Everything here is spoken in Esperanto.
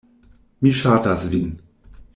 Mi ŝatas vin.